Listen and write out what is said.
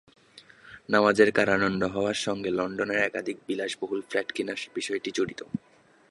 নওয়াজের কারাদণ্ড হওয়ার সঙ্গে লন্ডনে একাধিক বিলাসবহুল ফ্ল্যাট কেনার বিষয়টি জড়িত।